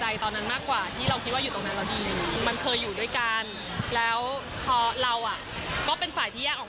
ให้วุ้นนิ่งไปดีกว่าให้คนเขาเดากันไปเองดีกว่า